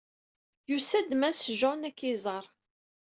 Yusa-d Mass Jones ad k-iẓeṛ.